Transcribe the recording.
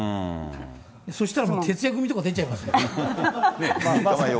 そしたら徹夜組とか出ちゃいますよ。